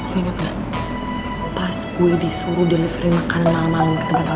bukan sekedar pelanggan sama owner cafe ya